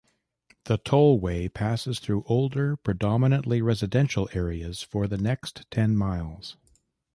The tollway passes through older, predominantly residential areas for the next ten miles.